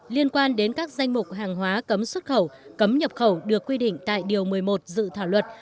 liên quan đến các danh mục hàng hóa cấm xuất khẩu cấm nhập khẩu được quy định tại điều một mươi một dự thảo luật